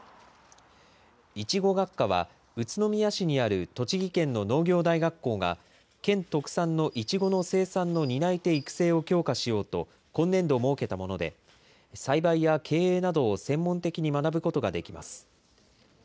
いちご学科は、宇都宮市にある栃木県の農業大学校が、県特産のいちごの生産の担い手育成を強化しようと、今年度設けたもので、栽培や経営などを専門的に学ぶことができます。